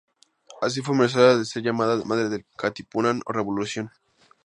Así fue merecedora de ser llamada "Madre del Katipunan" o revolución.